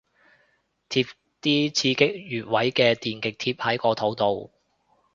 貼啲刺激穴位嘅電極貼喺個肚度